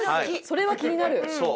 それは気になる。